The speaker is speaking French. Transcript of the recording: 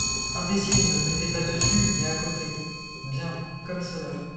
Imbécile, ne le mettez pas dessus, mais à côté. — Bien comme cela.